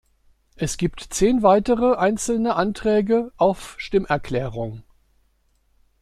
Es gibt zehn weitere einzelne Anträge auf Stimmerklärung.